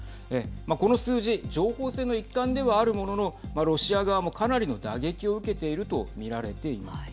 この数字情報戦の一環ではあるもののロシア側もかなりの打撃を受けているとみられています。